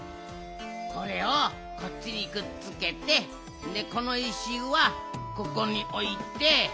これをこっちにくっつけてこの石はここにおいて。